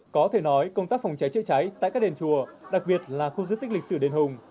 có thể nói công tác phòng cháy chữa cháy tại các đền chùa đặc biệt là khu di tích lịch sử đền hùng